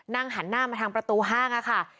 หันหน้ามาทางประตูห้างค่ะ